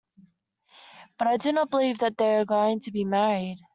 But I do not believe that they are going to be married.